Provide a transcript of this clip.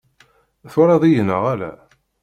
Twalaḍ-iyi neɣ ala?